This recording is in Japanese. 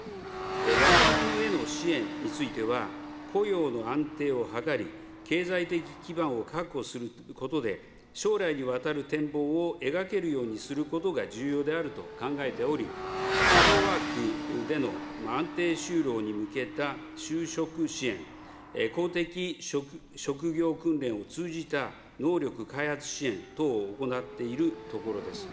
若者への支援については、雇用の安定を図り、経済的基盤を確保することで、将来にわたる展望を描けるようにすることが重要であると考えており、ハローワークでの安定就労に向けた就職支援、公的職業訓練を通じた能力開発支援等を行っているところです。